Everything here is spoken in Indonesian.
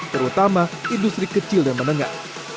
terutama industri kecil dan menengah